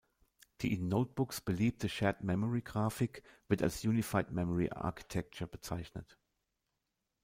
Die in Notebooks beliebte "Shared-Memory"-Grafik wird als Unified Memory Architecture bezeichnet.